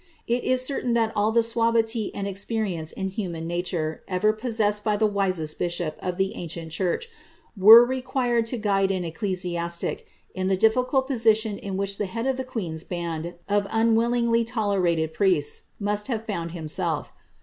It is certain that all the suavity and experience in human nature ever possessed by the wisest bishop of the ancient church, were required to guide an ecclesiastic in the ditricult position in which the head of the queen's band of unwillingly tolerated priests must have fouud himself.